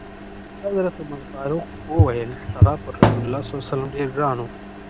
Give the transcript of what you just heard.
حضرت عمر فاروق وویل: هغه پر رسول الله ډېر ګران و.